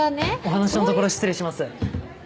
・お話のところ失礼します。